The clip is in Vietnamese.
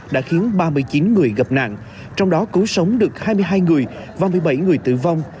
đã khiến ba mươi chín người gặp nạn trong đó cứu sống được hai mươi hai người và một mươi bảy người tử vong